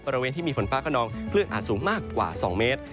บริเวณที่มีฝนฟ้าขนองคลื่นอาจสูงมากกว่า๒เมตร